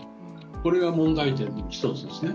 これが問題点の一つですね。